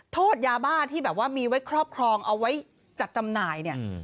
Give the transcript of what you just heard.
โทษยาบ้าที่แบบว่ามีไว้ครอบครองเอาไว้จัดจำหน่ายเนี่ย